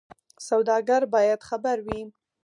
سوداګر باید خبر وي.